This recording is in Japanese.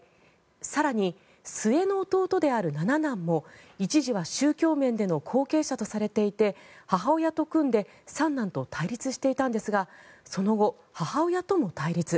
更に末の弟である七男も一時は宗教面での後継者とされていて母親と組んで三男と対立していたんですがその後、母親とも対立。